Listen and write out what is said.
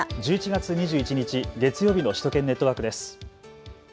１１月２１日月曜日の首都圏ネットワークです。